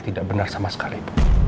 tidak benar sama sekali